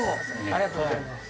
ありがとうございます。